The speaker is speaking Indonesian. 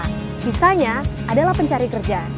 sisanya adalah pencari kerja